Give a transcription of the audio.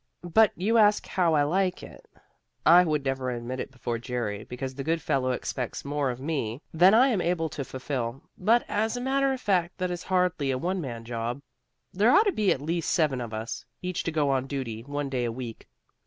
"But you ask how I like it? I would never admit it before Jerry, because the good fellow expects more of me than I am able to fulfill, but as a matter of fact this is hardly a one man job. There ought to be at least seven of us, each to go on duty one day a week.